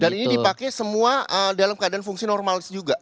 dan ini dipakai semua dalam keadaan fungsi normal juga